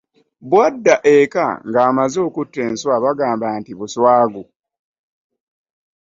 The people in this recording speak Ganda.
Bwadda eka ng'amaze okutta enswa bagamba nti buswagu.